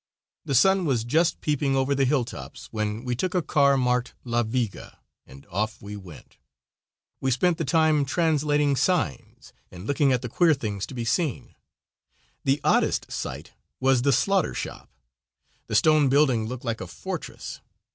The sun was just peeping over the hilltops when we took a car marked "La Viga," and off we went. We spent the time translating signs and looking at the queer things to be seen. The oddest sight was the slaughter shop. The stone building looked like a fortress.